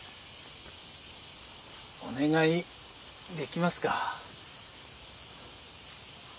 お願いできますか。